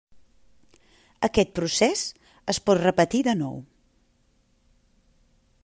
Aquest procés es pot repetir de nou.